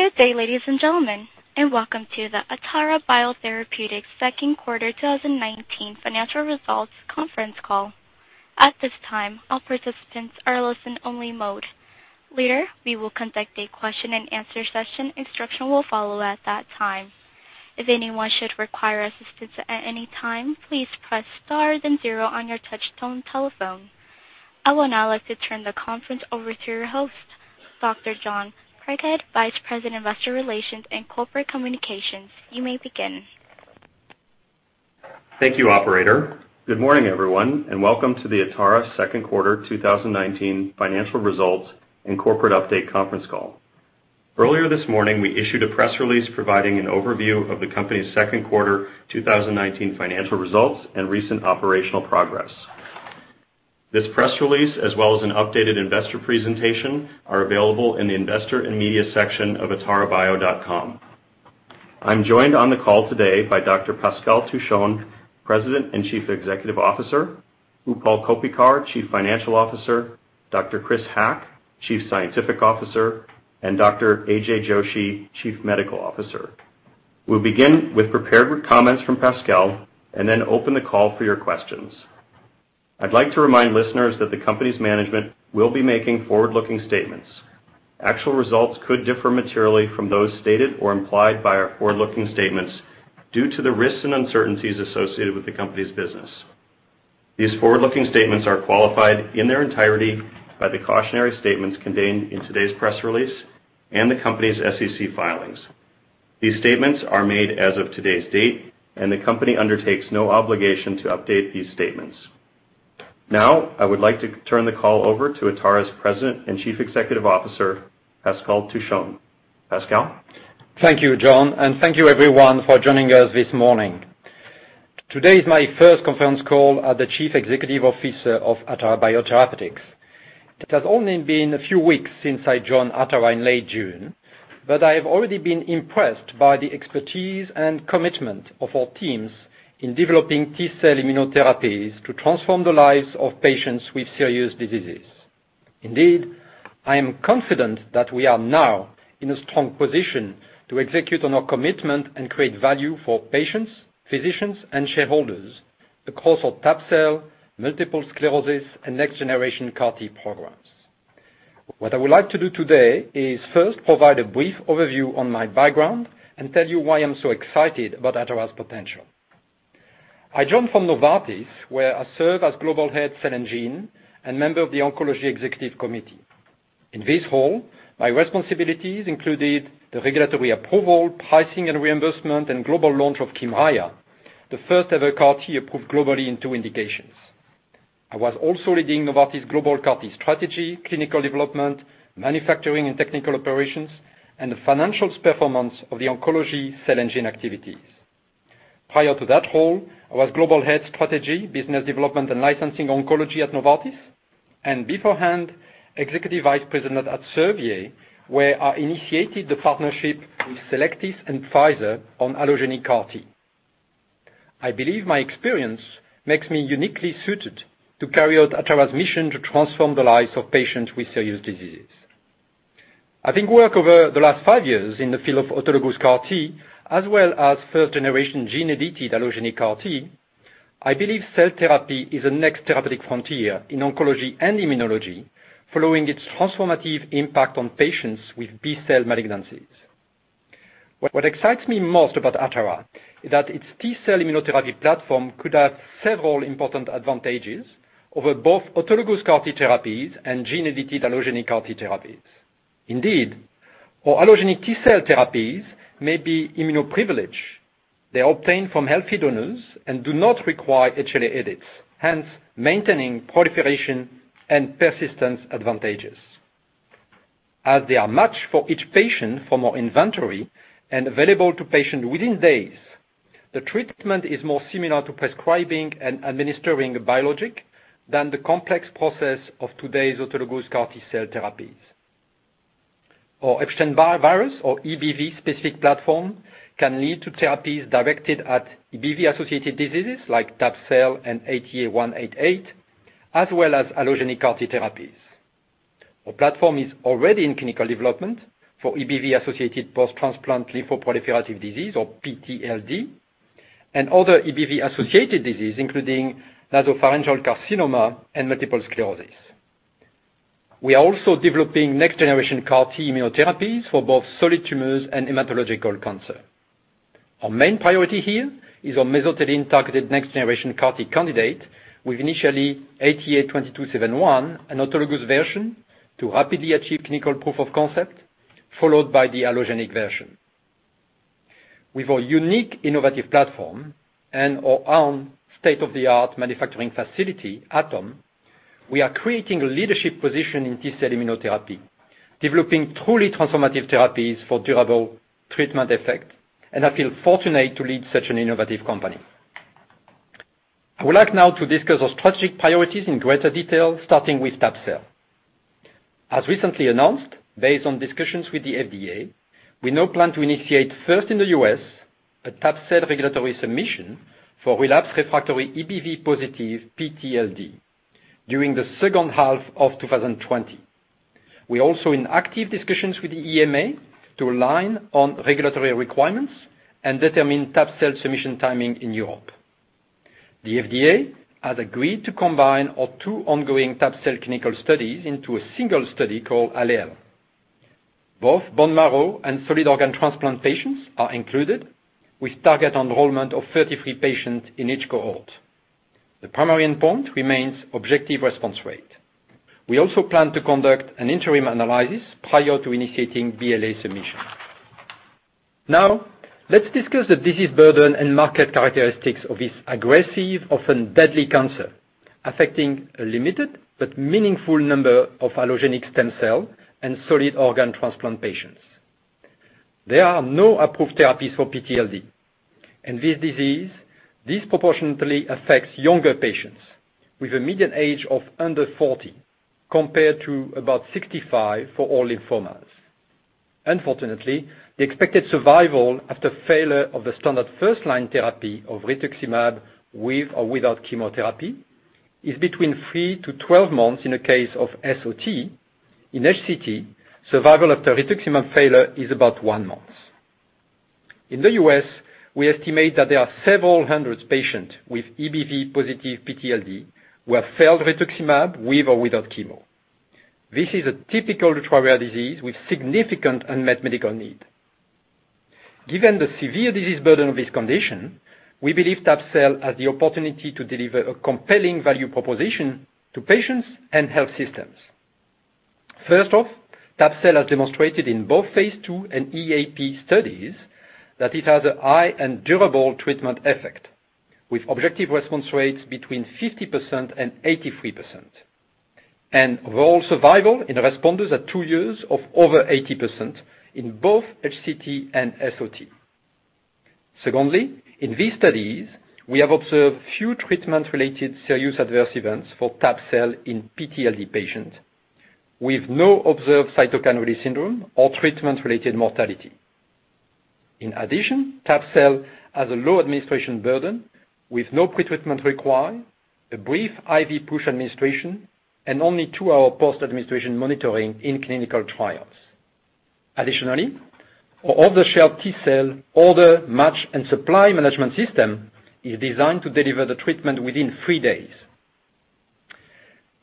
Good day, ladies and gentlemen, and welcome to the Atara Biotherapeutics second quarter 2019 financial results conference call. At this time, all participants are listen-only mode. Later, we will conduct a question and answer session. Instruction will follow at that time. If anyone should require assistance at any time, please press star then zero on your touch tone telephone. I would now like to turn the conference over to your host, Dr. John Craighead, Vice President, Investor Relations and Corporate Communications. You may begin. Thank you, operator. Welcome to the Atara second quarter 2019 financial results and corporate update conference call. Earlier this morning, we issued a press release providing an overview of the company's second quarter 2019 financial results and recent operational progress. This press release, as well as an updated investor presentation, are available in the investor and media section of atarabio.com. I'm joined on the call today by Dr. Pascal Touchon, President and Chief Executive Officer, Utpal Koppikar, Chief Financial Officer, Dr. Chris Haqq, Chief Scientific Officer, and Dr. AJ Joshi, Chief Medical Officer. We'll begin with prepared comments from Pascal, then open the call for your questions. I'd like to remind listeners that the company's management will be making forward-looking statements. Actual results could differ materially from those stated or implied by our forward-looking statements due to the risks and uncertainties associated with the company's business. These forward-looking statements are qualified in their entirety by the cautionary statements contained in today's press release and the company's SEC filings. These statements are made as of today's date, and the company undertakes no obligation to update these statements. I would like to turn the call over to Atara's President and Chief Executive Officer, Pascal Touchon. Pascal? Thank you, John, and thank you everyone for joining us this morning. Today is my first conference call as the Chief Executive Officer of Atara Biotherapeutics. It has only been a few weeks since I joined Atara in late June, but I have already been impressed by the expertise and commitment of our teams in developing T-cell immunotherapies to transform the lives of patients with serious diseases. Indeed, I am confident that we are now in a strong position to execute on our commitment and create value for patients, physicians, and shareholders across our tab-cel, multiple sclerosis, and next generation CAR-T programs. What I would like to do today is first provide a brief overview on my background and tell you why I'm so excited about Atara's potential. I joined from Novartis, where I served as Global Head Cell & Gene and member of the Oncology Executive Committee. In this role, my responsibilities included the regulatory approval, pricing and reimbursement, and global launch of KYMRIAH, the first-ever CAR-T approved globally in 2 indications. I was also leading Novartis' global CAR-T strategy, clinical development, manufacturing and technical operations, and the financial performance of the oncology cell engine activities. Prior to that role, I was Global Head Strategy, Business Development and Licensing Oncology at Novartis, and beforehand, Executive Vice President at Servier, where I initiated the partnership with Cellectis and Pfizer on allogeneic CAR-T. I believe my experience makes me uniquely suited to carry out Atara's mission to transform the lives of patients with serious diseases. Having worked over the last five years in the field of autologous CAR-T, as well as first-generation gene-edited allogeneic CAR-T, I believe cell therapy is the next therapeutic frontier in oncology and immunology, following its transformative impact on patients with B-cell malignancies. What excites me most about Atara is that its T-cell immunotherapy platform could have several important advantages over both autologous CAR-T therapies and gene-edited allogeneic CAR-T therapies. Our allogeneic T-cell therapies may be immunoprivileged. They're obtained from healthy donors and do not require HLA edits, hence maintaining proliferation and persistence advantages. As they are matched for each patient from our inventory and available to patient within days, the treatment is more similar to prescribing and administering a biologic than the complex process of today's autologous CAR-T cell therapies. Our Epstein-Barr virus, or EBV, specific platform can lead to therapies directed at EBV-associated diseases like tab-cel and ATA188, as well as allogeneic CAR-T therapies. Our platform is already in clinical development for EBV-associated post-transplant lymphoproliferative disease, or PTLD, and other EBV-associated disease, including nasopharyngeal carcinoma and multiple sclerosis. We are also developing next generation CAR-T immunotherapies for both solid tumors and hematological cancer. Our main priority here is our mesothelin-targeted next generation CAR-T candidate with initially ATA2271, an autologous version, to rapidly achieve clinical proof of concept, followed by the allogeneic version. With our unique innovative platform and our own state-of-the-art manufacturing facility, ATOM, we are creating a leadership position in T-cell immunotherapy, developing truly transformative therapies for durable treatment effect. I feel fortunate to lead such an innovative company. I would like now to discuss our strategic priorities in greater detail, starting with tab-cel. As recently announced, based on discussions with the FDA, we now plan to initiate first in the U.S. a tab-cel regulatory submission for relapse refractory EBV positive PTLD during the second half of 2020. We're also in active discussions with the EMA to align on regulatory requirements and determine tab-cel submission timing in Europe. The FDA has agreed to combine our two ongoing tab-cel clinical studies into a single study called ALLELE. Both bone marrow and solid organ transplant patients are included, with target enrollment of 33 patients in each cohort. The primary endpoint remains objective response rate. We also plan to conduct an interim analysis prior to initiating BLA submission. Let's discuss the disease burden and market characteristics of this aggressive, often deadly cancer, affecting a limited but meaningful number of allogeneic stem cell and solid organ transplant patients. There are no approved therapies for PTLD, and this disease disproportionately affects younger patients with a median age of under 40, compared to about 65 for all lymphomas. Unfortunately, the expected survival after failure of the standard first-line therapy of rituximab with or without chemotherapy is between three to 12 months in the case of SOT. In NCT, survival after rituximab failure is about one month. In the U.S., we estimate that there are several hundred patients with EBV-positive PTLD who have failed rituximab with or without chemo. This is a typical ultra-rare disease with significant unmet medical need. Given the severe disease burden of this condition, we believe tab-cel has the opportunity to deliver a compelling value proposition to patients and health systems. First off, tab-cel has demonstrated in both phase II and EAP studies that it has a high and durable treatment effect, with objective response rates between 50% and 83%, and overall survival in responders at two years of over 80% in both NCT and SOT. Secondly, in these studies, we have observed few treatment-related serious adverse events for tab-cel in PTLD patients, with no observed cytokine release syndrome or treatment-related mortality. In addition, tab-cel has a low administration burden with no pretreatment required, a brief IV push administration, and only two-hour post-administration monitoring in clinical trials. Additionally, our off-the-shelf T-cell order, match, and supply management system is designed to deliver the treatment within three days.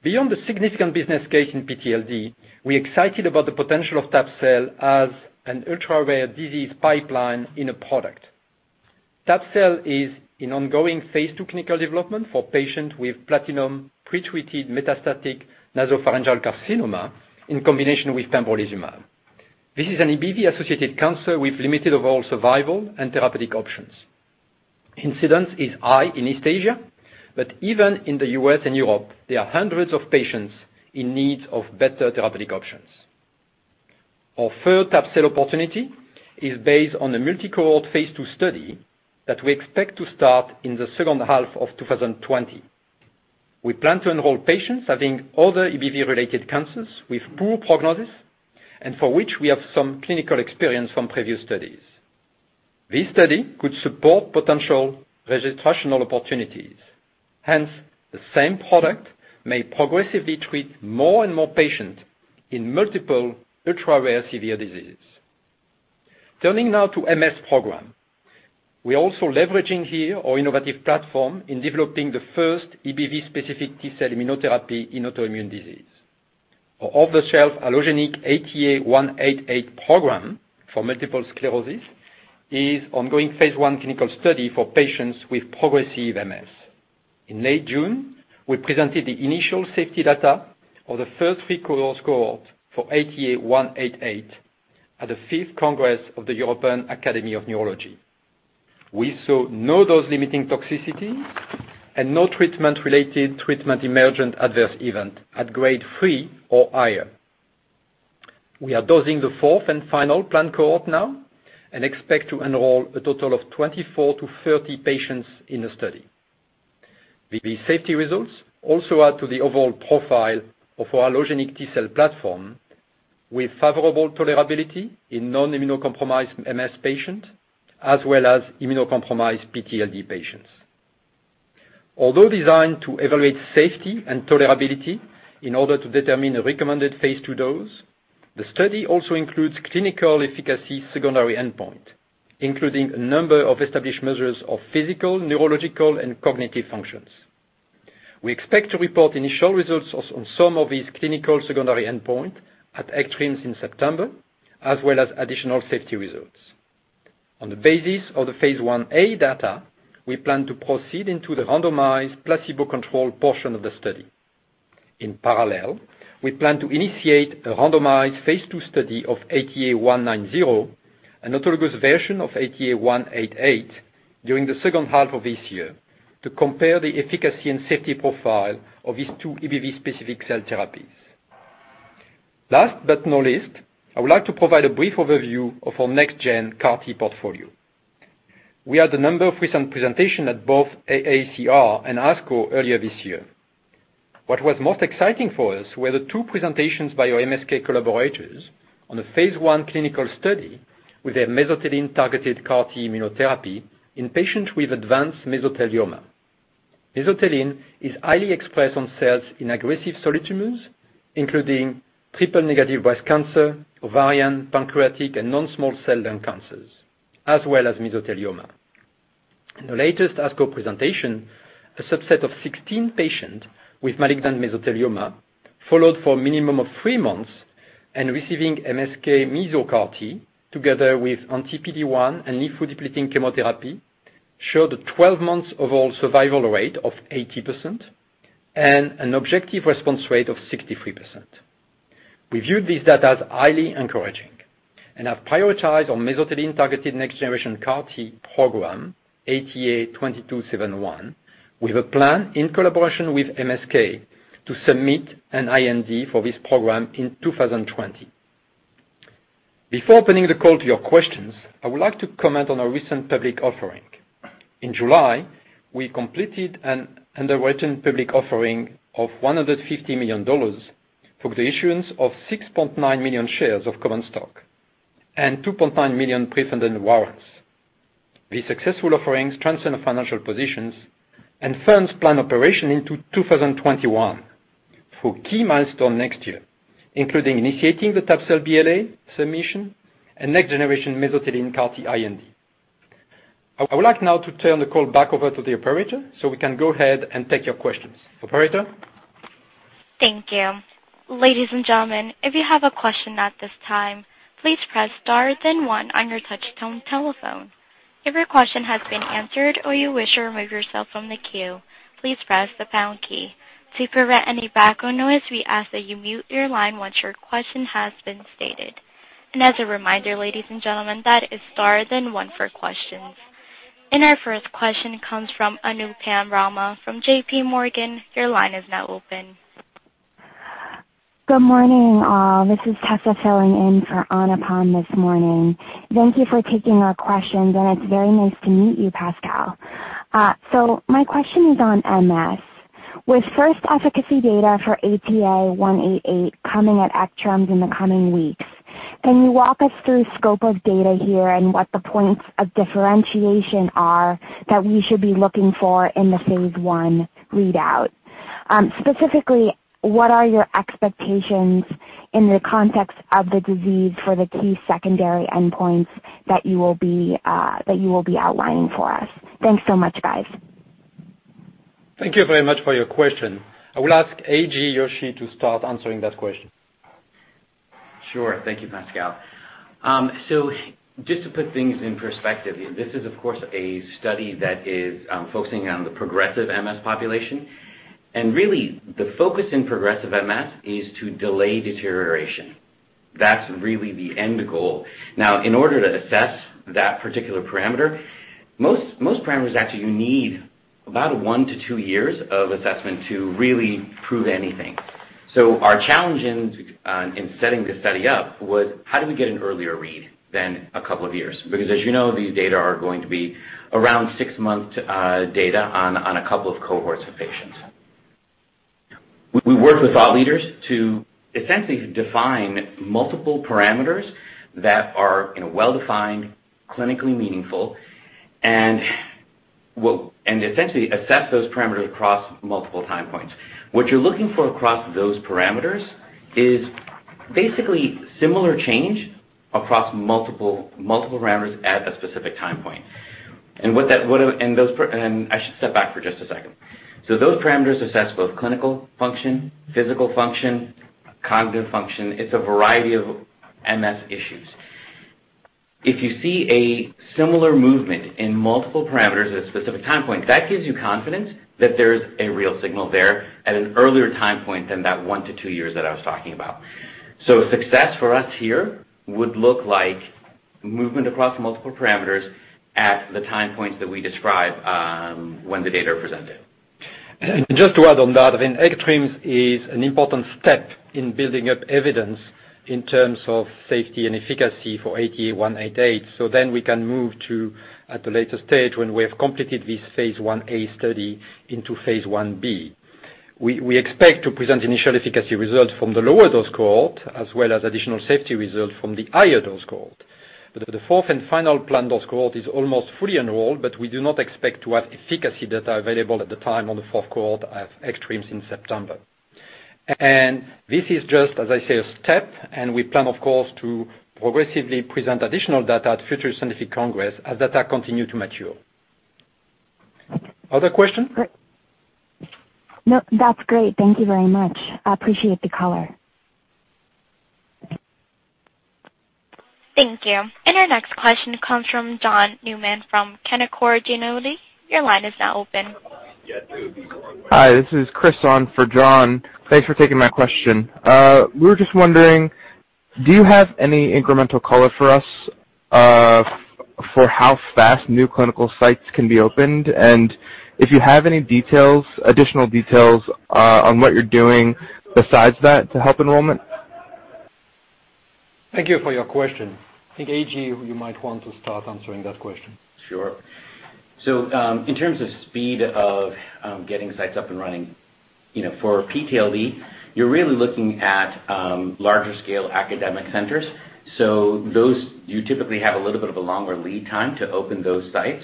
Beyond the significant business case in PTLD, we are excited about the potential of tab-cel as an ultra-rare disease pipeline in a product. Tab-cel is in ongoing phase II clinical development for patients with platinum pre-treated metastatic nasopharyngeal carcinoma in combination with pembrolizumab. This is an EBV-associated cancer with limited overall survival and therapeutic options. Incidence is high in East Asia, but even in the U.S. and Europe, there are hundreds of patients in need of better therapeutic options. Our third tab-cel opportunity is based on a multi-cohort Phase II study that we expect to start in the second half of 2020. We plan to enroll patients having all the EBV-related cancers with poor prognosis and for which we have some clinical experience from previous studies. This study could support potential registrational opportunities. Hence, the same product may progressively treat more and more patients in multiple ultra-rare severe diseases. Turning now to MS program. We're also leveraging here our innovative platform in developing the first EBV-specific T-cell immunotherapy in autoimmune disease. Our off-the-shelf allogeneic ATA188 program for multiple sclerosis is ongoing Phase I clinical study for patients with progressive MS. In late June, we presented the initial safety data of the first three cohorts for ATA188 at the fifth Congress of the European Academy of Neurology. We saw no dose-limiting toxicity and no treatment-related, treatment emergent adverse event at Grade 3 or higher. We are dosing the fourth and final planned cohort now and expect to enroll a total of 24 to 30 patients in the study. The safety results also add to the overall profile of our allogeneic T-cell platform with favorable tolerability in non-immunocompromised MS patients, as well as immunocompromised PTLD patients. Although designed to evaluate safety and tolerability in order to determine a recommended phase II dose, the study also includes clinical efficacy secondary endpoint, including a number of established measures of physical, neurological, and cognitive functions. We expect to report initial results on some of these clinical secondary endpoint at ECTRIMS in September, as well as additional safety results. On the basis of the phase I-A data, we plan to proceed into the randomized, placebo-controlled portion of the study. In parallel, we plan to initiate a randomized phase II study of ATA190, an autologous version of ATA188, during the second half of this year to compare the efficacy and safety profile of these two EBV-specific cell therapies. Last but not least, I would like to provide a brief overview of our next gen CAR-T portfolio. We had a number of recent presentation at both AACR and ASCO earlier this year. What was most exciting for us were the two presentations by our MSK collaborators on the phase I clinical study with a mesothelin-targeted CAR-T immunotherapy in patients with advanced mesothelioma. Mesothelin is highly expressed on cells in aggressive solid tumors, including triple negative breast cancer, ovarian, pancreatic, and non-small cell lung cancers, as well as mesothelioma. In the latest ASCO presentation, a subset of 16 patients with malignant mesothelioma followed for a minimum of three months and receiving MSK MesoCAR T together with anti-PD-1 and lymphodepleting chemotherapy showed a 12-month overall survival rate of 80% and an objective response rate of 63%. We view this data as highly encouraging and have prioritized our mesothelin-targeted next generation CAR-T program, ATA2271, with a plan in collaboration with MSK to submit an IND for this program in 2020. Before opening the call to your questions, I would like to comment on our recent public offering. In July, we completed an underwritten public offering of $150 million for the issuance of 6.9 million shares of common stock and 2.9 million prefunded warrants. These successful offerings strengthen our financial positions and firms plan operation into 2021 for key milestones next year, including initiating the tab-cel BLA submission and next generation mesothelin CAR T IND. I would like now to turn the call back over to the Operator so we can go ahead and take your questions. Operator? Thank you. Ladies and gentlemen, if you have a question at this time, please press star then one on your touch-tone telephone. If your question has been answered or you wish to remove yourself from the queue, please press the pound key. To prevent any background noise, we ask that you mute your line once your question has been stated. As a reminder, ladies and gentlemen, that is star then one for questions. Our first question comes from Anupam Rama from JP Morgan. Your line is now open. Good morning, all. This is Tessa filling in for Anupam this morning. Thank you for taking our questions, and it's very nice to meet you, Pascal. My question is on MS. With first efficacy data for ATA188 coming at ECTRIMS in the coming weeks, can you walk us through scope of data here and what the points of differentiation are that we should be looking for in the phase I readout? Specifically, what are your expectations in the context of the disease for the key secondary endpoints that you will be outlining for us? Thanks so much, guys. Thank you very much for your question. I will ask AJ Joshi to start answering that question. Thank you, Pascal. Just to put things in perspective here, this is, of course, a study that is focusing on the progressive MS population. Really, the focus in progressive MS is to delay deterioration. That's really the end goal. In order to assess that particular parameter, most parameters actually you need about one to two years of assessment to really prove anything. Our challenge in setting this study up was: How do we get an earlier read than a couple of years? As you know, these data are going to be around six months data on a couple of cohorts of patients. We worked with thought leaders to essentially define multiple parameters that are well-defined, clinically meaningful, and essentially assess those parameters across multiple time points. What you're looking for across those parameters is basically similar change across multiple parameters at a specific time point. I should step back for just a second. Those parameters assess both clinical function, physical function, cognitive function. It's a variety of MS issues. If you see a similar movement in multiple parameters at a specific time point, that gives you confidence that there's a real signal there at an earlier time point than that one to two years that I was talking about. Success for us here would look like movement across multiple parameters at the time points that we describe when the data are presented. Just to add on that, ECTRIMS is an important step in building up evidence in terms of safety and efficacy for ATA188. We can move to, at a later stage when we have completed this phase I-A study, into phase I-B. We expect to present initial efficacy results from the lower dose cohort, as well as additional safety results from the higher dose cohort. The fourth and final planned dose cohort is almost fully enrolled, but we do not expect to have efficacy data available at the time on the fourth cohort at ECTRIMS in September. This is just, as I say, a step, and we plan of course, to progressively present additional data at future scientific congress as data continue to mature. Other questions? That's great. Thank you very much. I appreciate the color. Thank you. Our next question comes from John Newman from Canaccord Genuity. Your line is now open. Hi, this is Chris on for John. Thanks for taking my question. We were just wondering, do you have any incremental color for us for how fast new clinical sites can be opened? If you have any additional details on what you're doing besides that to help enrollment? Thank you for your question. I think AJ, you might want to start answering that question. Sure. In terms of speed of getting sites up and running, for PTLD, you're really looking at larger scale academic centers. Those, you typically have a little bit of a longer lead time to open those sites.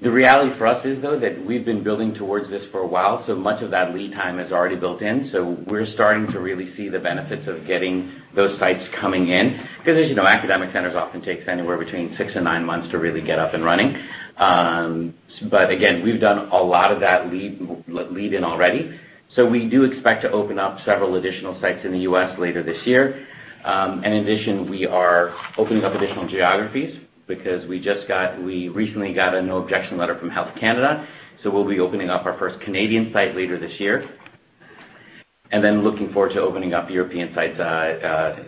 The reality for us is, though, that we've been building towards this for a while, so much of that lead time is already built in. We're starting to really see the benefits of getting those sites coming in. Because, as you know, academic centers often takes anywhere between six and nine months to really get up and running. Again, we've done a lot of that lead in already. We do expect to open up several additional sites in the U.S. later this year. In addition, we are opening up additional geographies because we recently got a no objection letter from Health Canada. We'll be opening up our first Canadian site later this year. Looking forward to opening up European sites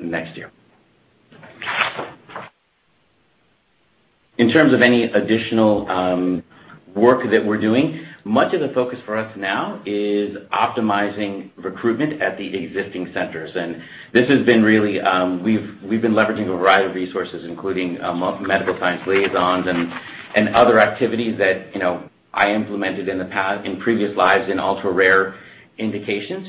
next year. In terms of any additional work that we're doing, much of the focus for us now is optimizing recruitment at the existing centers. This has been leveraging a variety of resources, including medical science liaisons and other activities that I implemented in previous lives in ultra-rare indications.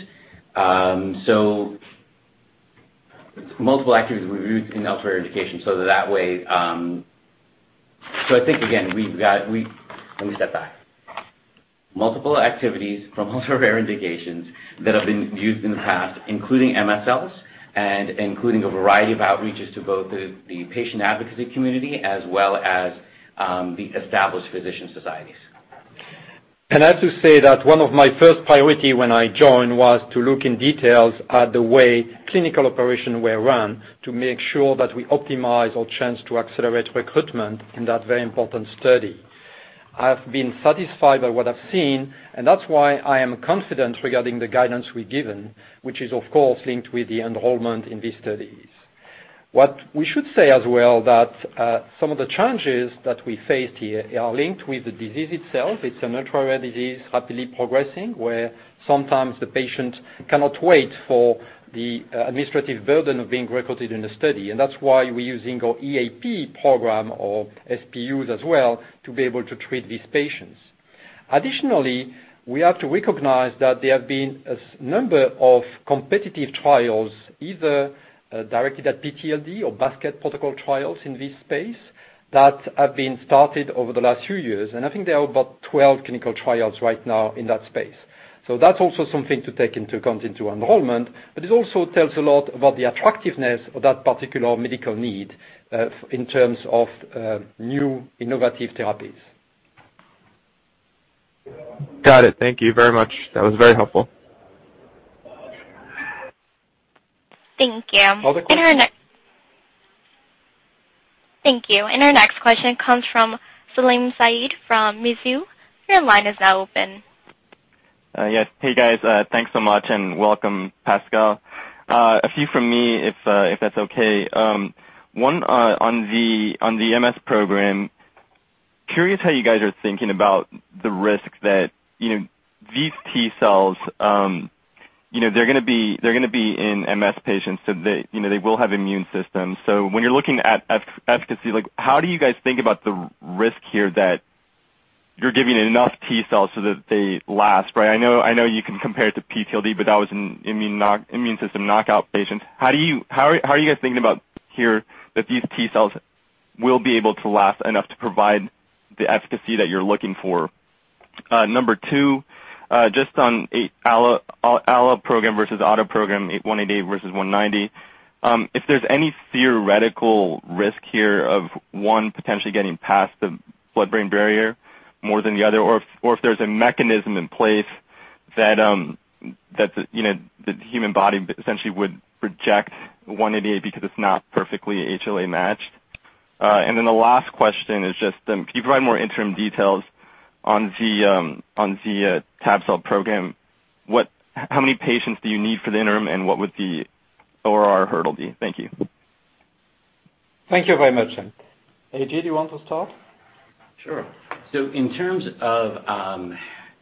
Multiple activities from ultra-rare indications that have been used in the past, including MSLs and including a variety of outreaches to both the patient advocacy community as well as the established physician societies. I have to say that one of my first priority when I joined was to look in details at the way clinical operation were run to make sure that we optimize our chance to accelerate recruitment in that very important study. I have been satisfied by what I've seen. That's why I am confident regarding the guidance we've given, which is, of course, linked with the enrollment in these studies. What we should say as well, that some of the challenges that we faced here are linked with the disease itself. It's an ultra-rare disease rapidly progressing, where sometimes the patient cannot wait for the administrative burden of being recruited in the study. That's why we're using our EAP program or SPUs as well to be able to treat these patients. Additionally, we have to recognize that there have been a number of competitive trials, either directed at PTLD or basket protocol trials in this space that have been started over the last few years. I think there are about 12 clinical trials right now in that space. That's also something to take into account into enrollment, but it also tells a lot about the attractiveness of that particular medical need in terms of new innovative therapies. Got it. Thank you very much. That was very helpful. Thank you. Other questions? Thank you. Our next question comes from Salim Syed from Mizuho. Your line is now open. Yes. Hey, guys. Thanks so much, and welcome, Pascal. A few from me, if that's okay. 1 on the MS program. Curious how you guys are thinking about the risk that these T cells, they're going to be in MS patients, they will have immune systems. When you're looking at efficacy, how do you guys think about the risk here that you're giving enough T cells so that they last, right? I know you can compare it to PTLD, that was an immune system knockout patient. How are you guys thinking about here that these T cells will be able to last enough to provide the efficacy that you're looking for? Number 2, just on allo program versus auto program ATA188 versus ATA190. If there's any theoretical risk here of one potentially getting past the blood-brain barrier more than the other, or if there's a mechanism in place that the human body essentially would reject 188 because it's not perfectly HLA matched. Then the last question is just, can you provide more interim details on the tab-cel program? How many patients do you need for the interim, and what would the ORR hurdle be? Thank you. Thank you very much. AJ, do you want to start? Sure. In terms of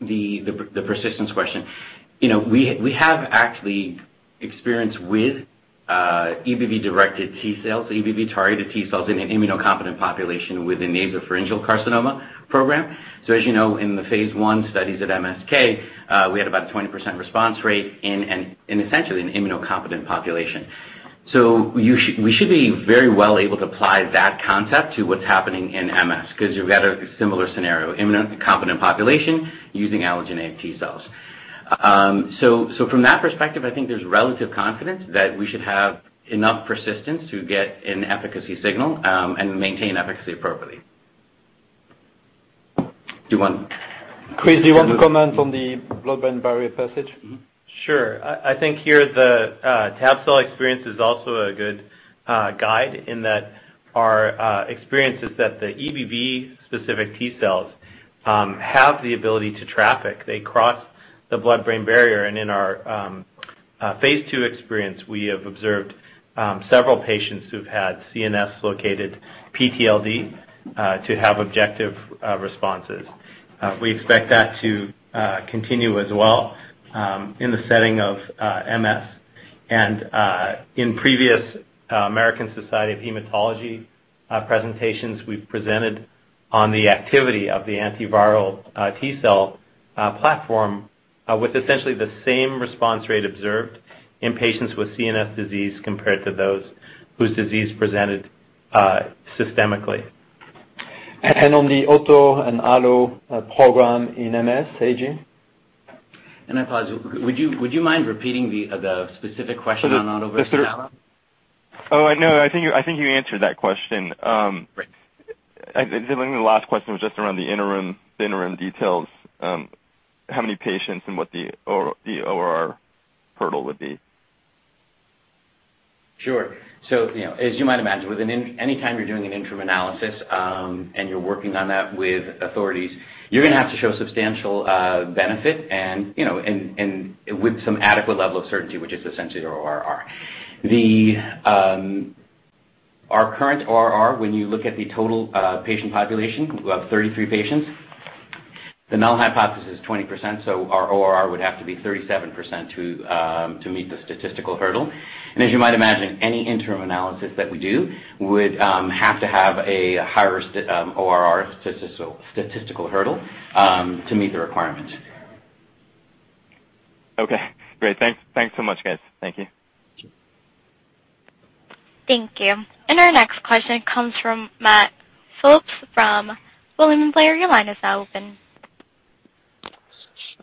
the persistence question. We have actually experience with EBV-directed T cells, EBV-targeted T cells in an immunocompetent population with the nasopharyngeal carcinoma program. As you know, in the phase I studies at MSK, we had about a 20% response rate in essentially an immunocompetent population. We should be very well able to apply that concept to what's happening in MS, because you've got a similar scenario, immunocompetent population using allogeneic T cells. From that perspective, I think there's relative confidence that we should have enough persistence to get an efficacy signal and maintain efficacy appropriately. Chris, do you want to comment on the blood-brain barrier passage? Sure. I think here the tab-cel experience is also a good guide in that our experience is that the EBV specific T cells have the ability to traffic. They cross the blood-brain barrier, and in our phase II experience, we have observed several patients who've had CNS-located PTLD to have objective responses. We expect that to continue as well in the setting of MS. In previous American Society of Hematology presentations, we've presented on the activity of the antiviral T-cell platform with essentially the same response rate observed in patients with CNS disease compared to those whose disease presented systemically. On the auto and allo program in MS, AJ? I apologize, would you mind repeating the specific question on auto versus allo? Oh, no, I think you answered that question. Great. I think the last question was just around the interim details. How many patients and what the ORR hurdle would be? Sure. As you might imagine, anytime you're doing an interim analysis, and you're working on that with authorities, you're going to have to show substantial benefit and with some adequate level of certainty, which is essentially your ORR. Our current ORR, when you look at the total patient population, we have 33 patients. The null hypothesis is 20%, so our ORR would have to be 37% to meet the statistical hurdle. As you might imagine, any interim analysis that we do would have to have a higher ORR statistical hurdle to meet the requirement. Okay, great. Thanks so much, guys. Thank you. Thank you. Our next question comes from Matt Phillips from William Blair. Your line is now open.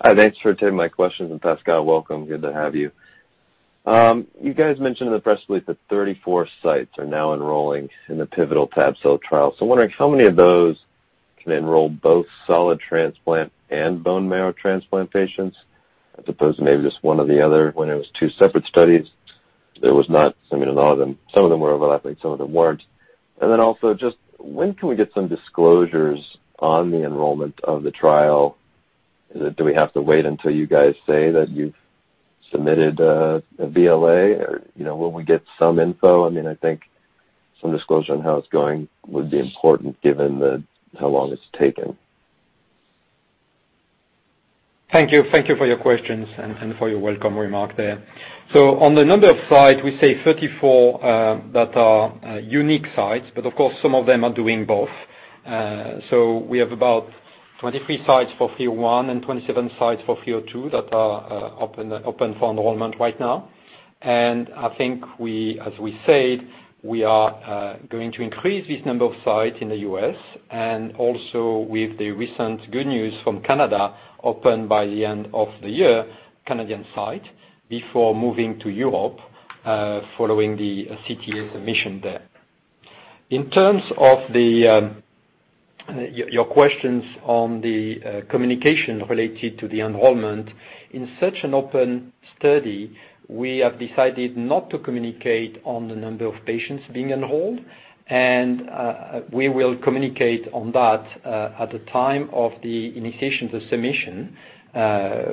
Hi, thanks for taking my questions. Pascal, welcome. Good to have you. You guys mentioned in the press release that 34 sites are now enrolling in the pivotal tab-cel trial. I'm wondering how many of those can enroll both solid transplant and bone marrow transplant patients as opposed to maybe just one or the other? When it was two separate studies, there was not, I mean, in a lot of them, some of them were overlapping, some of them weren't. Just when can we get some disclosures on the enrollment of the trial? Do we have to wait until you guys say that you've submitted a BLA, or will we get some info? I think some disclosure on how it's going would be important given how long it's taken. Thank you for your questions and for your welcome remark there. On the number of sites, we say 34 that are unique sites, but of course, some of them are doing both. We have about 23 sites for phase I and 27 sites for phase II that are open for enrollment right now. I think as we said, we are going to increase this number of sites in the U.S. and also with the recent good news from Canada, open by the end of the year, Canadian site, before moving to Europe following the CTA submission there. In terms of your questions on the communication related to the enrollment, in such an open study, we have decided not to communicate on the number of patients being enrolled, and we will communicate on that at the time of the initiation of the submission,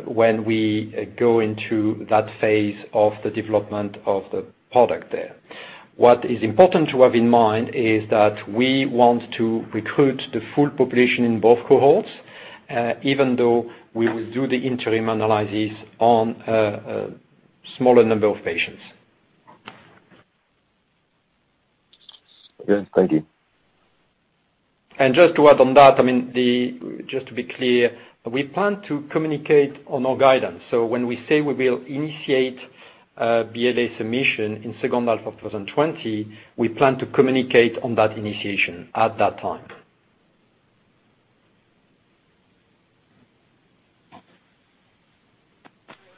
when we go into that phase of the development of the product there. What is important to have in mind is that we want to recruit the full population in both cohorts, even though we will do the interim analysis on a smaller number of patients. Yes, thank you. Just to add on that, just to be clear, we plan to communicate on our guidance. When we say we will initiate BLA submission in second half of 2020, we plan to communicate on that initiation at that time.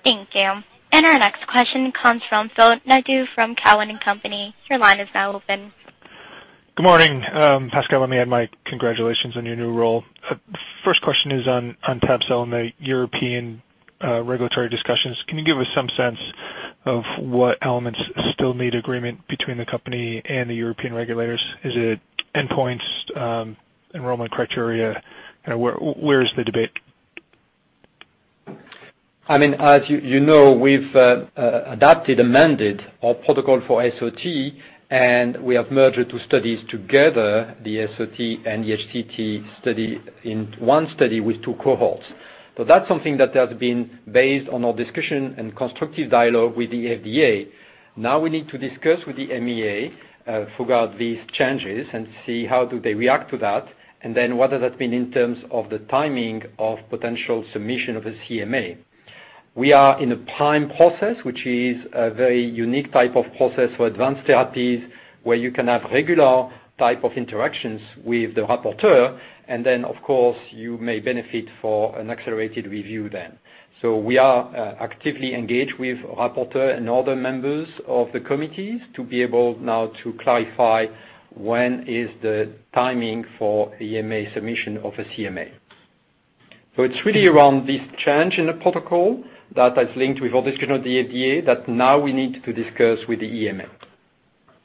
Thank you. Our next question comes from Phil Naidu from Cowen and Company. Your line is now open. Good morning. Pascal, let me add my congratulations on your new role. First question is on tab-cel and the European regulatory discussions. Can you give us some sense of what elements still need agreement between the company and the European regulators? Is it endpoints, enrollment criteria? Where is the debate? As you know, we've adapted, amended our protocol for SOT, and we have merged two studies together, the SOT and the HCT study in one study with two cohorts. That's something that has been based on our discussion and constructive dialogue with the FDA. We need to discuss with the EMA throughout these changes and see how do they react to that. What does that mean in terms of the timing of potential submission of a CMA. We are in a PRIME process, which is a very unique type of process for advanced therapies where you can have regular type of interactions with the rapporteur. Of course, you may benefit for an accelerated review then. We are actively engaged with rapporteur and other members of the committees to be able now to clarify when is the timing for EMA submission of a CMA. It's really around this change in the protocol that is linked with our discussion with the FDA that now we need to discuss with the EMA.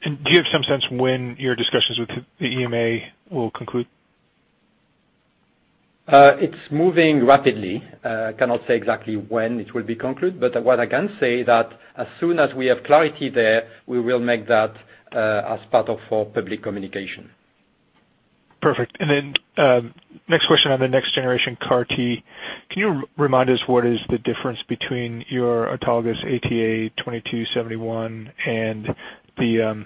Do you have some sense when your discussions with the EMA will conclude? It's moving rapidly. Cannot say exactly when it will be concluded, but what I can say that as soon as we have clarity there, we will make that as part of our public communication. Perfect. Next question on the next generation CAR-T. Can you remind us what is the difference between your autologous ATA2271 and the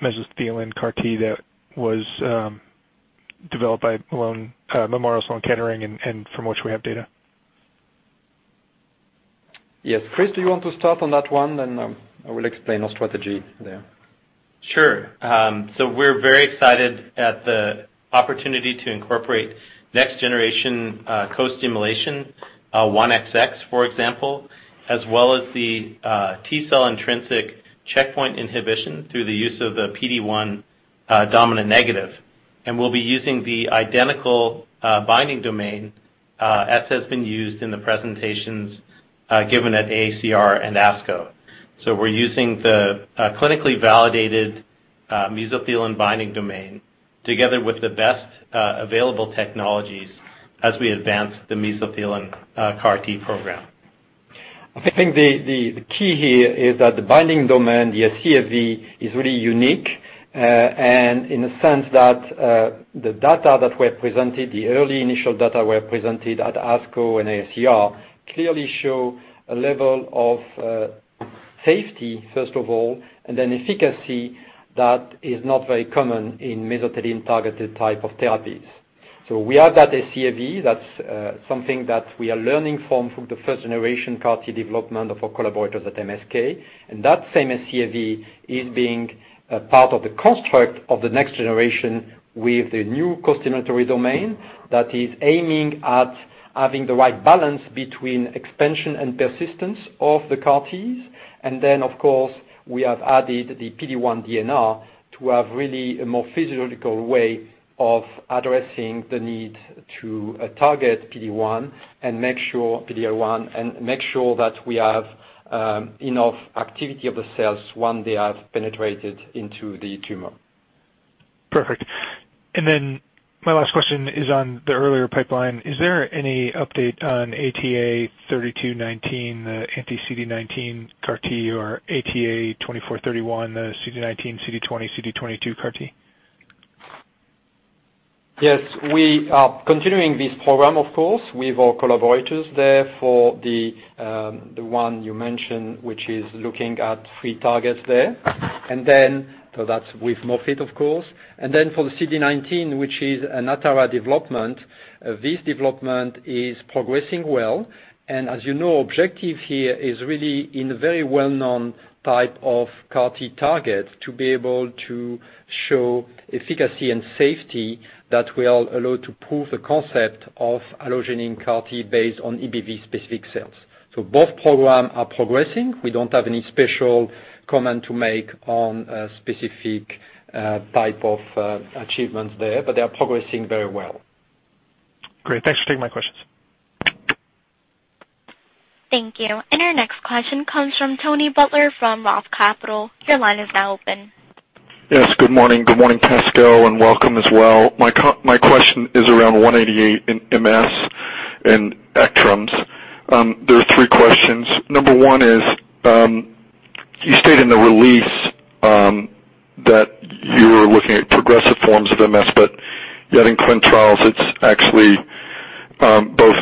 mesothelin CAR-T that was developed by Memorial Sloan Kettering, and from which we have data? Yes. Chris, do you want to start on that one, then I will explain our strategy there. Sure. We're very excited at the opportunity to incorporate next generation co-stimulation 1XX, for example, as well as the T cell intrinsic checkpoint inhibition through the use of the PD-1 dominant negative. We'll be using the identical binding domain as has been used in the presentations given at AACR and ASCO. We're using the clinically validated mesothelin binding domain together with the best available technologies as we advance the mesothelin CAR-T program. I think the key here is that the binding domain, the scFv, is really unique, and in the sense that the data that we have presented, the early initial data we have presented at ASCO and AACR, clearly show a level of safety, first of all, and then efficacy that is not very common in mesothelin-targeted type of therapies. We have that scFv, that's something that we are learning from the first generation CAR T development of our collaborators at MSK. That same scFv is being part of the construct of the next generation with the new costimulatory domain that is aiming at having the right balance between expansion and persistence of the CAR Ts. Of course, we have added the PD-1 DNR to have really a more physiological way of addressing the need to target PD-1 and make sure that we have enough activity of the cells once they have penetrated into the tumor. Perfect. My last question is on the earlier pipeline. Is there any update on ATA3219, the anti-CD19 CAR-T or ATA2431, the CD19, CD20, CD22 CAR-T? Yes, we are continuing this program, of course, with our collaborators there for the one you mentioned, which is looking at three targets there. That's with Moffitt, of course. For the CD19, which is an Atara development, this development is progressing well. As you know, objective here is really in a very well-known type of CAR-T target to be able to show efficacy and safety that will allow to prove the concept of allogeneic CAR-T based on EBV-specific cells. Both programs are progressing. We don't have any special comment to make on a specific type of achievements there, but they are progressing very well. Great. Thanks for taking my questions. Thank you. Our next question comes from Tony Butler from Roth Capital. Your line is now open. Yes, good morning. Good morning, Pascal, and welcome as well. My question is around ATA188 in MS, in ECTRIMS. There are three questions. Number one is, you stated in the release that you're looking at progressive forms of MS, yet in clinical trials, it's actually both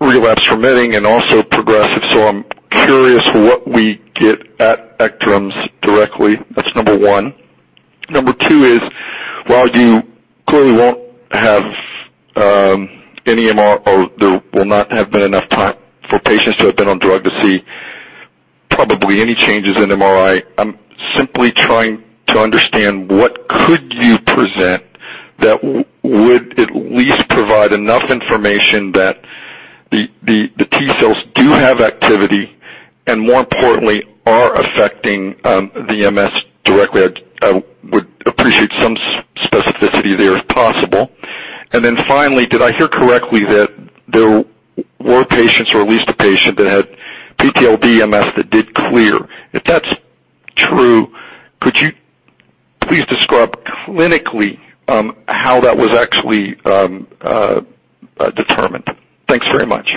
relapse permitting and also progressive. I'm curious what we get at ECTRIMS directly. That's number one. Number two is, while you clearly won't have any MR, or there will not have been enough time for patients who have been on drug to see probably any changes in MRI, I'm simply trying to understand what could you present that would at least provide enough information that the T cells do have activity, and more importantly, are affecting the MS directly? I would appreciate some specificity there if possible. Finally, did I hear correctly that there were patients, or at least a patient, that had PTLD-MS that did clear? If that's true, could you please describe clinically how that was actually determined? Thanks very much.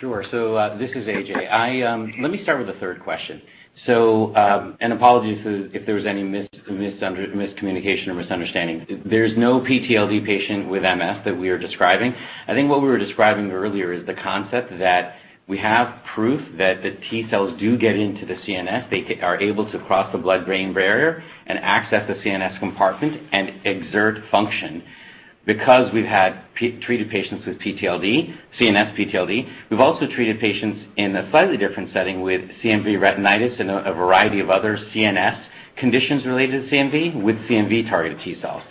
Sure. This is AJ. Let me start with the third question. Apologies if there was any miscommunication or misunderstanding. There's no PTLD patient with MS that we are describing. I think what we were describing earlier is the concept that we have proof that the T cells do get into the CNS. They are able to cross the blood-brain barrier and access the CNS compartment and exert function, because we've treated patients with CNS PTLD. We've also treated patients in a slightly different setting with CMV retinitis and a variety of other CNS conditions related to CMV with CMV-targeted T cells.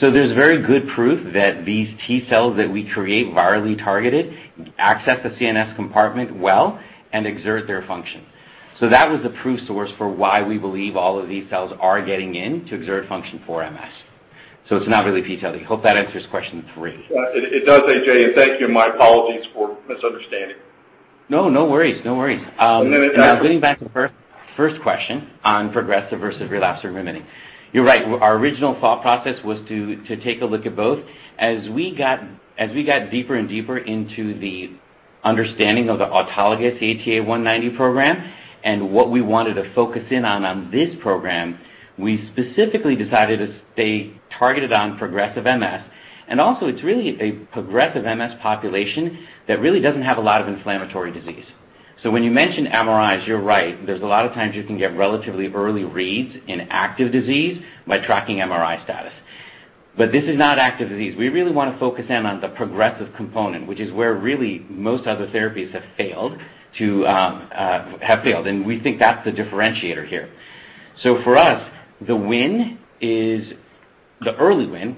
There's very good proof that these T cells that we create virally targeted access the CNS compartment well and exert their function. That was the proof source for why we believe all of these cells are getting in to exert function for MS. It's not really PTLD. Hope that answers question three. It does, AJ, and thank you. My apologies for misunderstanding. No worries. And then- Going back to the first question on progressive versus relapse or remitting. You're right, our original thought process was to take a look at both. As we got deeper and deeper into the understanding of the autologous ATA190 program and what we wanted to focus in on this program, we specifically decided to stay targeted on progressive MS. Also it's really a progressive MS population that really doesn't have a lot of inflammatory disease. When you mention MRIs, you're right. There's a lot of times you can get relatively early reads in active disease by tracking MRI status. This is not active disease. We really want to focus in on the progressive component, which is where really most other therapies have failed. We think that's the differentiator here. For us, the early win, there's an early win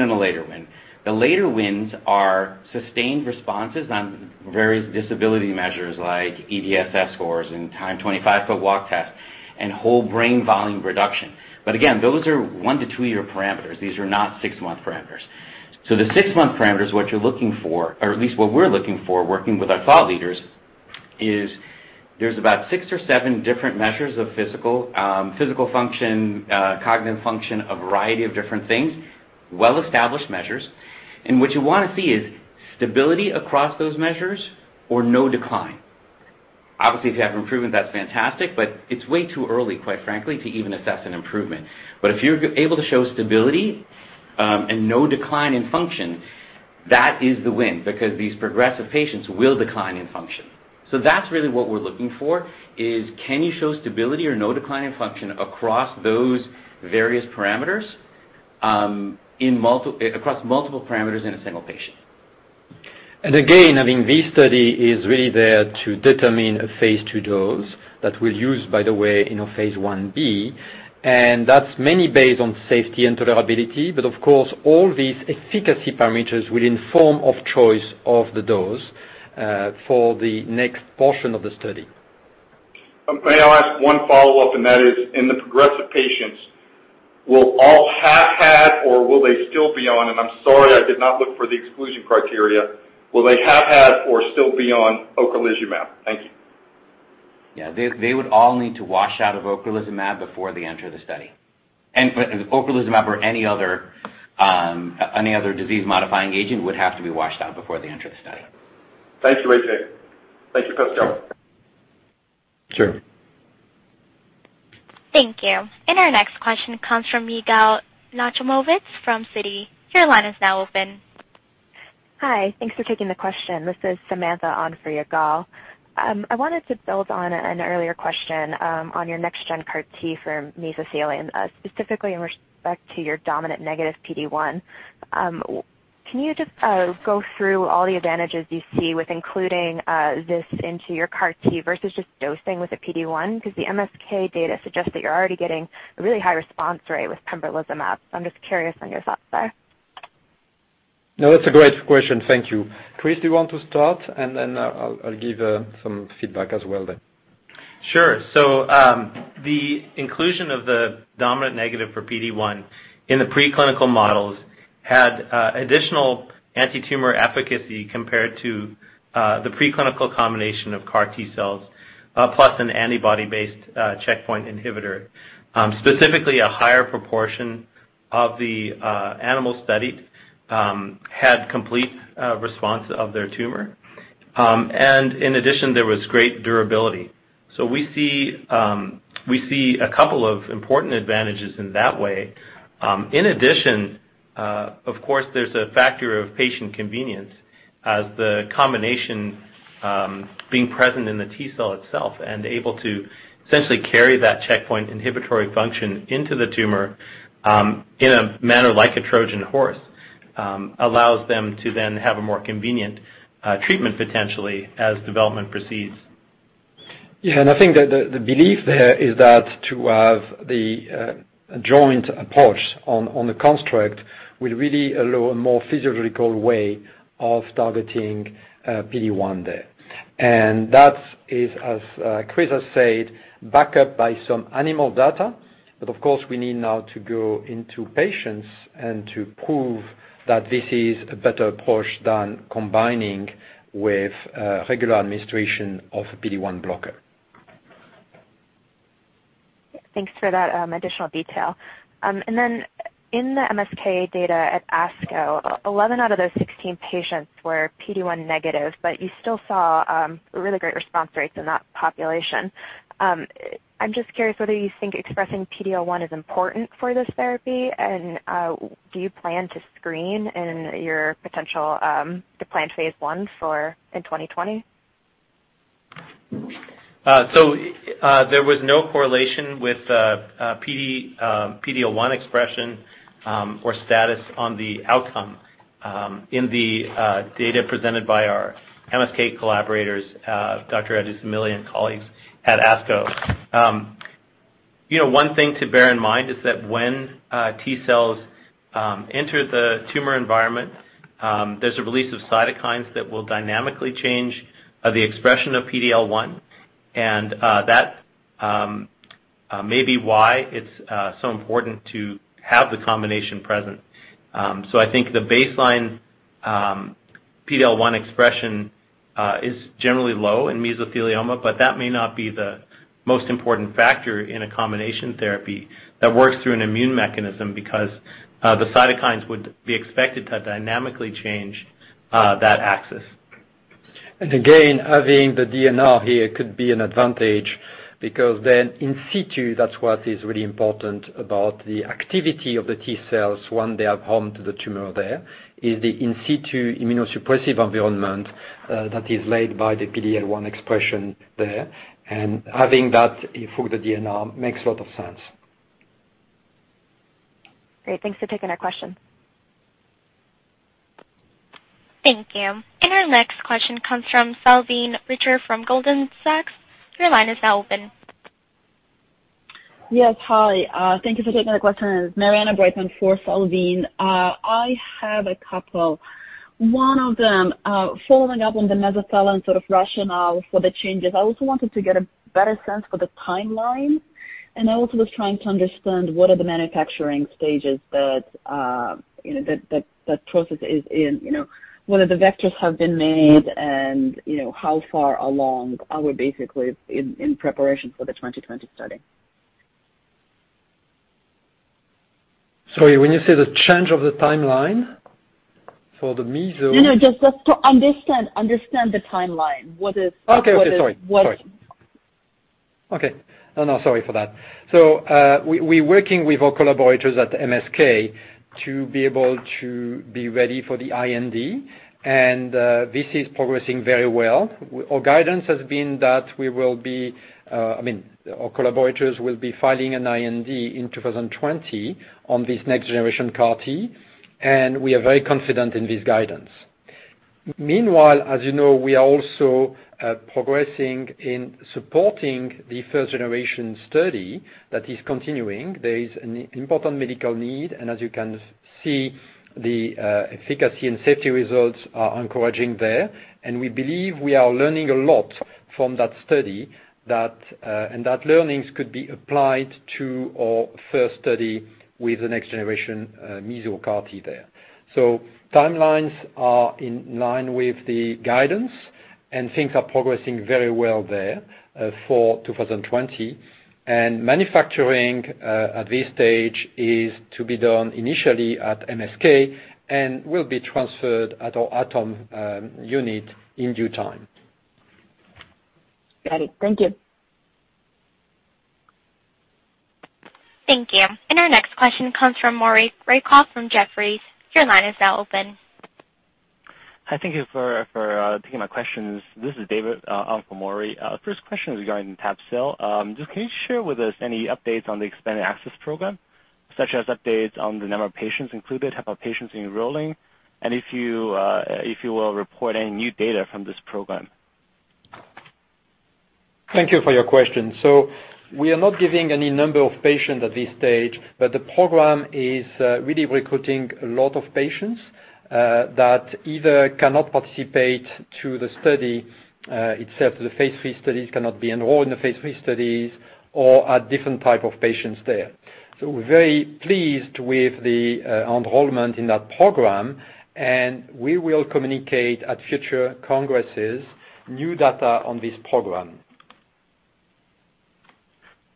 and a later win. The later wins are sustained responses on various disability measures like EDSS scores and timed 25-foot walk tests and whole brain volume reduction. Again, those are one to two-year parameters. These are not six-month parameters. The six-month parameters, what you're looking for, or at least what we're looking for working with our thought leaders, is there's about six or seven different measures of physical function, cognitive function, a variety of different things, well-established measures. What you want to see is stability across those measures or no decline. Obviously, if you have improvement, that's fantastic, but it's way too early, quite frankly, to even assess an improvement. If you're able to show stability and no decline in function, that is the win, because these progressive patients will decline in function. That's really what we're looking for is can you show stability or no decline in function across those various parameters, across multiple parameters in a single patient. Again, I mean, this study is really there to determine a phase II dose that we'll use, by the way, in our phase I-B, and that's mainly based on safety and tolerability. Of course, all these efficacy parameters will inform of choice of the dose for the next portion of the study. May I ask one follow-up, and that is, in the progressive patients, will all have had or will they still be on, and I'm sorry, I did not look for the exclusion criteria, will they have had or still be on ocrelizumab? Thank you. They would all need to wash out of ocrelizumab before they enter the study. Ocrelizumab or any other disease modifying agent would have to be washed out before they enter the study. Thank you, AJ. Thank you, Christophe. Sure. Thank you. Our next question comes from Yigal Nochomovitz from Citi. Your line is now open. Hi. Thanks for taking the question. This is Samantha on for Yigal. I wanted to build on an earlier question on your next gen CAR-T for mesothelioma, specifically in respect to your dominant negative PD-1. Can you just go through all the advantages you see with including this into your CAR-T versus just dosing with a PD-1? The MSK data suggests that you're already getting a really high response rate with pembrolizumab. I'm just curious on your thoughts there. No, that's a great question. Thank you. Chris, do you want to start and then I'll give some feedback as well then. Sure. The inclusion of the dominant negative for PD-1 in the preclinical models had additional anti-tumor efficacy compared to the preclinical combination of CAR T-cells, plus an antibody-based checkpoint inhibitor. Specifically, a higher proportion of the animal studied had complete response of their tumor. In addition, there was great durability. We see a couple of important advantages in that way. In addition, of course, there's a factor of patient convenience as the combination being present in the T-cell itself and able to essentially carry that checkpoint inhibitory function into the tumor in a manner like a Trojan horse allows them to then have a more convenient treatment potentially as development proceeds. Yeah, I think that the belief there is that to have the joint approach on the construct will really allow a more physiological way of targeting PD-1 there. That is, as Chris has said, backed up by some animal data. Of course, we need now to go into patients and to prove that this is a better approach than combining with regular administration of a PD-1 blocker. Thanks for that additional detail. In the MSK data at ASCO, 11 out of those 16 patients were PD-1 negative, but you still saw really great response rates in that population. I'm just curious whether you think expressing PD-L1 is important for this therapy, and do you plan to screen in your potential to plan phase I in 2020? There was no correlation with PD-L1 expression or status on the outcome in the data presented by our MSK collaborators, Dr. Adusumilli and colleagues at ASCO. One thing to bear in mind is that when T cells enter the tumor environment, there's a release of cytokines that will dynamically change the expression of PD-L1, and that may be why it's so important to have the combination present. I think the baseline PD-L1 expression is generally low in mesothelioma, but that may not be the most important factor in a combination therapy that works through an immune mechanism because the cytokines would be expected to dynamically change that axis. Again, having the DNR here could be an advantage because then in situ, that's what is really important about the activity of the T cells when they have home to the tumor there, is the in situ immunosuppressive environment that is laid by the PD-L1 expression there. Having that for the DNR makes a lot of sense. Great. Thanks for taking our question. Thank you. Our next question comes from Salveen Richter from Goldman Sachs. Your line is now open. Yes, hi. Thank you for taking the question. Marianna Brighton for Salveen. I have a couple. One of them, following up on the mesothelin sort of rationale for the changes. I also wanted to get a better sense for the timeline, and I also was trying to understand what are the manufacturing stages that that process is in. Whether the vectors have been made and how far along are we basically in preparation for the 2020 study? Sorry, when you say the change of the timeline for the miso-? No, just to understand the timeline. What is- Okay. Sorry. What- Okay. No, sorry for that. We working with our collaborators at MSK to be able to be ready for the IND, and this is progressing very well. Our guidance has been that our collaborators will be filing an IND in 2020 on this next generation CAR-T, and we are very confident in this guidance. Meanwhile, as you know, we are also progressing in supporting the first generation study that is continuing. There is an important medical need, and as you can see, the efficacy and safety results are encouraging there. We believe we are learning a lot from that study, and that learnings could be applied to our first study with the next generation mesothelin CAR-T there. Timelines are in line with the guidance, and things are progressing very well there for 2020. Manufacturing, at this stage, is to be done initially at MSK and will be transferred at our Atara unit in due time. Got it. Thank you. Thank you. Our next question comes from Maury Raycroft from Jefferies. Your line is now open. Hi, thank you for taking my questions. This is David on for Maury. First question is regarding the tab-cel. Can you share with us any updates on the expanded access program? Such as updates on the number of patients included, how about patients enrolling, and if you will report any new data from this program. Thank you for your question. We are not giving any number of patients at this stage, but the program is really recruiting a lot of patients that either cannot participate to the study itself, the Phase III studies, cannot be enrolled in the Phase III studies or are different type of patients there. We are very pleased with the enrollment in that program, and we will communicate at future congresses new data on this program.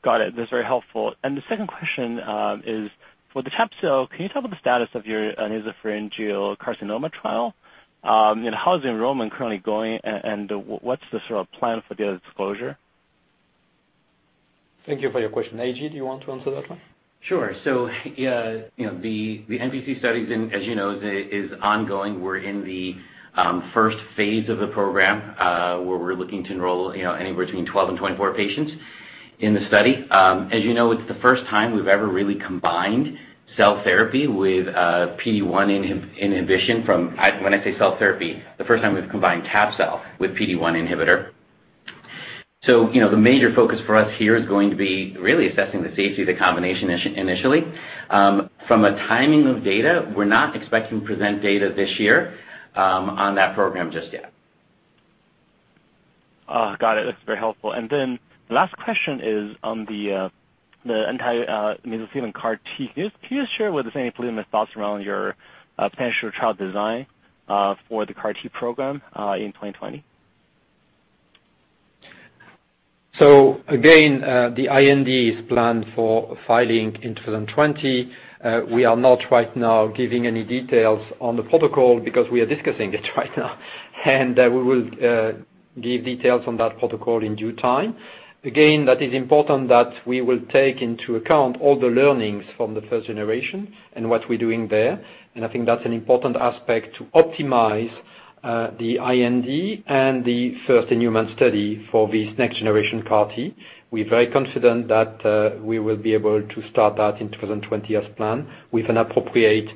Got it. That's very helpful. The second question is, for the tab-cel, can you talk about the status of your nasopharyngeal carcinoma trial? How is the enrollment currently going, and what's the sort of plan for data disclosure? Thank you for your question. A.J., do you want to answer that one? Sure. Yeah, the NPC study, as you know, is ongoing. We're in the first phase of the program, where we're looking to enroll anywhere between 12 and 24 patients in the study. As you know, it's the first time we've ever really combined cell therapy with PD-1 inhibition. When I say cell therapy, the first time we've combined tab-cel with PD-1 inhibitor. The major focus for us here is going to be really assessing the safety of the combination initially. From a timing of data, we're not expecting to present data this year on that program just yet. Oh, got it. That's very helpful. The last question is on the anti-mesothelin CAR T. Can you just share with us any preliminary thoughts around your potential trial design for the CAR T program in 2020? Again, the IND is planned for filing in 2020. We are not right now giving any details on the protocol because we are discussing it right now, and we will give details on that protocol in due time. Again, that is important that we will take into account all the learnings from the first generation and what we're doing there. I think that's an important aspect to optimize the IND and the first-in-human study for this next generation CAR T. We're very confident that we will be able to start that in 2020 as planned with an appropriate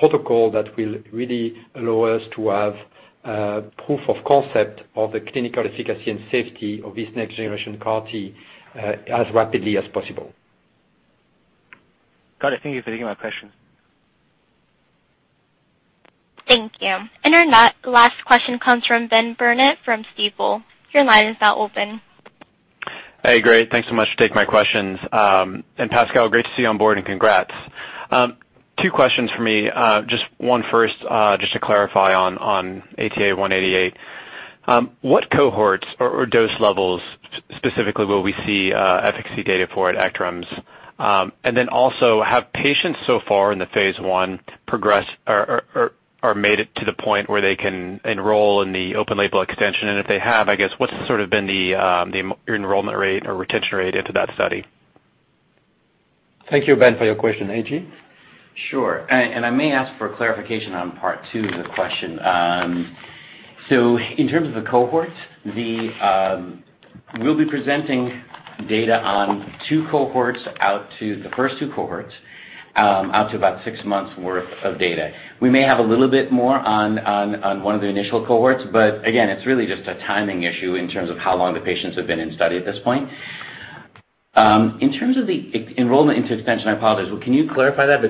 protocol that will really allow us to have proof of concept of the clinical efficacy and safety of this next generation CAR T as rapidly as possible. Got it. Thank you for taking my questions. Thank you. Our last question comes from Benjamin Burnett from Stifel. Your line is now open. Hey, great. Thanks so much for taking my questions. Pascal, great to see you on board, and congrats. Two questions for me. One first, just to clarify on ATA188. What cohorts or dose levels specifically will we see efficacy data for at ECTRIMS? Have patients so far in the phase I progressed or made it to the point where they can enroll in the open label extension? If they have, I guess, what's sort of been your enrollment rate or retention rate into that study? Thank you, Ben, for your question. AJ? Sure. I may ask for clarification on part two of the question. In terms of the cohort, we'll be presenting data on the first 2 cohorts, out to about 6 months' worth of data. We may have a little bit more on one of the initial cohorts, but again, it's really just a timing issue in terms of how long the patients have been in study at this point. In terms of the enrollment into extension, I apologize. Can you clarify that?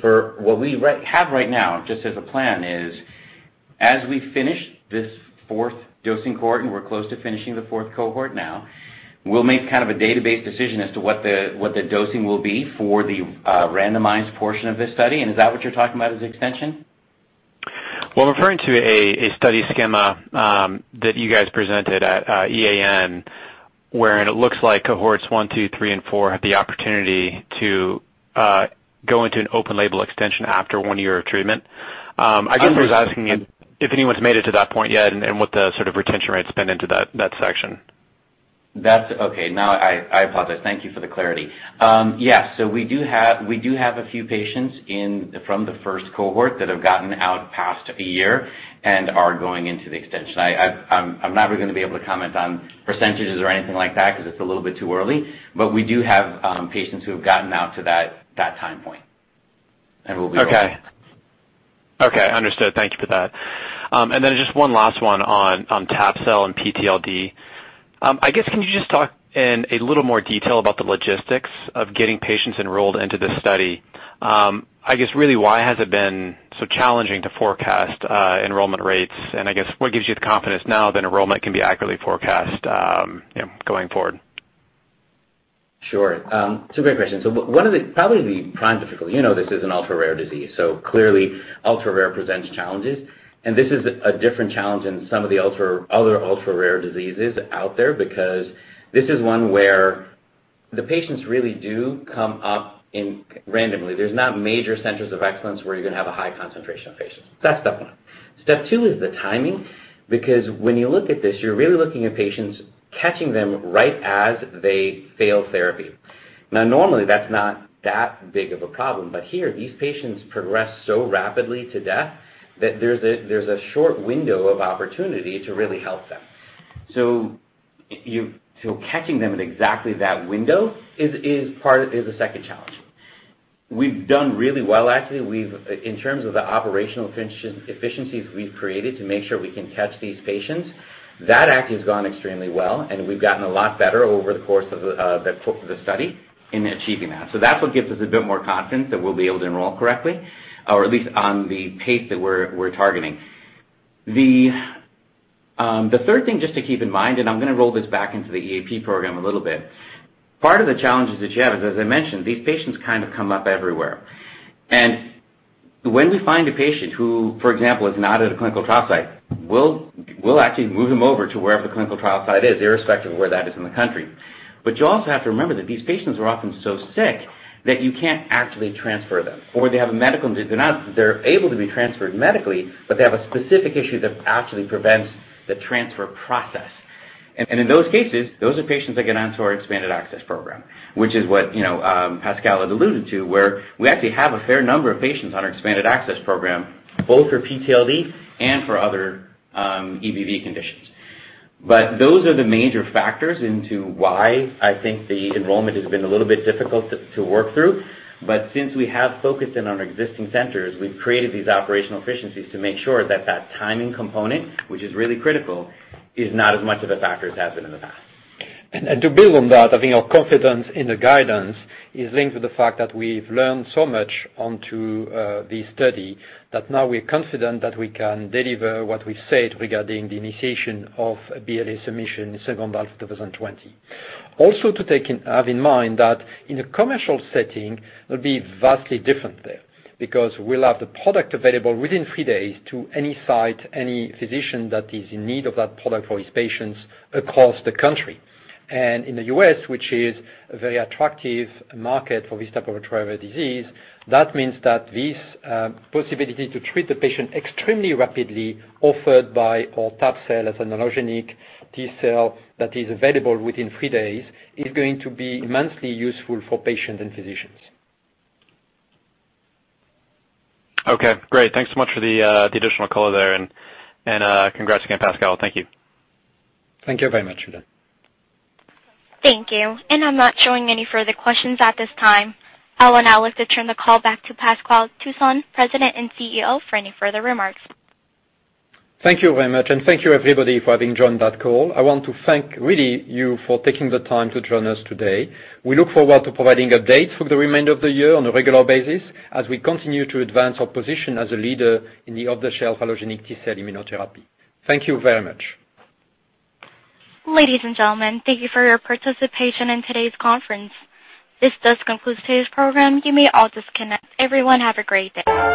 For what we have right now, just as a plan is, as we finish this 4th dosing cohort, we're close to finishing the 4th cohort now, we'll make kind of a database decision as to what the dosing will be for the randomized portion of this study. Is that what you're talking about as extension? Well, referring to a study schema that you guys presented at EAN, where it looks like cohorts 1, 2, 3, and 4 have the opportunity to go into an open label extension after one year of treatment. I guess I was asking if anyone's made it to that point yet and what the sort of retention rate's been into that section. Okay. Now, I apologize. Thank you for the clarity. Yeah. We do have a few patients in from the first cohort that have gotten out past a year and are going into the extension. I'm not really going to be able to comment on percentages or anything like that because it's a little bit too early. We do have patients who have gotten out to that time point. Okay. Understood. Thank you for that. Then just one last one on tab-cel and PTLD. I guess, can you just talk in a little more detail about the logistics of getting patients enrolled into this study? I guess really why has it been so challenging to forecast enrollment rates, and I guess what gives you the confidence now that enrollment can be accurately forecast going forward? Sure. It's a great question. Probably the prime difficulty, you know this is an ultra-rare disease, so clearly ultra-rare presents challenges, and this is a different challenge in some of the other ultra-rare diseases out there, because this is one where the patients really do come up in randomly. There's not major centers of excellence where you're going to have a high concentration of patients. That's step one. Step two is the timing, because when you look at this, you're really looking at patients, catching them right as they fail therapy. Normally, that's not that big of a problem, but here, these patients progress so rapidly to death that there's a short window of opportunity to really help them. Catching them at exactly that window is a second challenge. We've done really well, actually. In terms of the operational efficiencies we've created to make sure we can catch these patients, that actually has gone extremely well, and we've gotten a lot better over the course of the study in achieving that. That's what gives us a bit more confidence that we'll be able to enroll correctly, or at least on the pace that we're targeting. The third thing just to keep in mind, I'm going to roll this back into the EAP program a little bit. Part of the challenges that you have is, as I mentioned, these patients kind of come up everywhere. When we find a patient who, for example, is not at a clinical trial site, we'll actually move them over to wherever the clinical trial site is, irrespective of where that is in the country. You also have to remember that these patients are often so sick that you can't actually transfer them, or they're able to be transferred medically, but they have a specific issue that actually prevents the transfer process. In those cases, those are patients that get onto our expanded access program, which is what Pascal has alluded to, where we actually have a fair number of patients on our expanded access program, both for PTLD and for other EBV conditions. Those are the major factors into why I think the enrollment has been a little bit difficult to work through. Since we have focused in on our existing centers, we've created these operational efficiencies to make sure that that timing component, which is really critical, is not as much of a factor as it has been in the past. To build on that, I think our confidence in the guidance is linked with the fact that we've learned so much onto the study, that now we're confident that we can deliver what we said regarding the initiation of a BLA submission in second half of 2020. To have in mind that in a commercial setting, it'll be vastly different there, because we'll have the product available within three days to any site, any physician that is in need of that product for his patients across the country. In the U.S., which is a very attractive market for this type of a driver disease, that means that this possibility to treat the patient extremely rapidly offered by our tab-cel as an allogeneic T-cell that is available within three days is going to be immensely useful for patients and physicians. Okay, great. Thanks so much for the additional color there. Congrats again, Pascal. Thank you. Thank you very much, Ben. Thank you. I'm not showing any further questions at this time. I would now like to turn the call back to Pascal Touchon, President and CEO, for any further remarks. Thank you very much, and thank you everybody for having joined that call. I want to thank really you for taking the time to join us today. We look forward to providing updates for the remainder of the year on a regular basis as we continue to advance our position as a leader in the off-the-shelf allogeneic T-cell immunotherapy. Thank you very much. Ladies and gentlemen, thank you for your participation in today's conference. This does conclude today's program. You may all disconnect. Everyone have a great day.